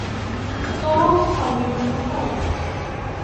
توم طويلٌ وقويّ.